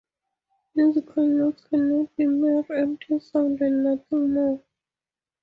Musical notes cannot be mere empty sounds and nothing more.